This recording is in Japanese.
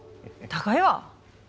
高いわ！